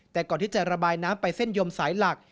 แต่ก่อนที่จะระบายน้ำไปเส้นยมสายหลัก